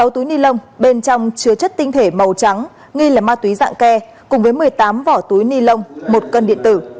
sáu túi ni lông bên trong chứa chất tinh thể màu trắng nghi là ma túy dạng ke cùng với một mươi tám vỏ túi ni lông một cân điện tử